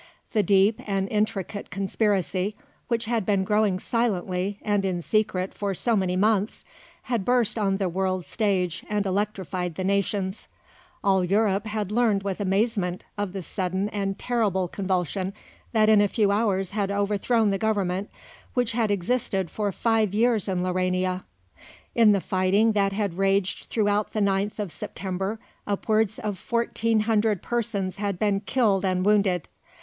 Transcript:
The deep and intricate conspiracy, which had been growing silently and in secret for so many months, had burst on the world's stage and electrified the nations. All Europe had learned with amazement of the sudden and terrible convulsion that in a few hours had overthrown the Government which had existed for five years in Laurania. In the fighting that had raged throughout the ninth of September upwards of fourteen hundred persons had been killed and wounded.